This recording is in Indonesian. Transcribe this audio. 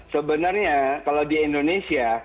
sebenarnya kalau di indonesia